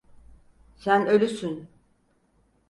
Sen ölüsün!